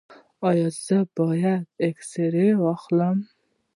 ایا زه باید اکسرې واخلم؟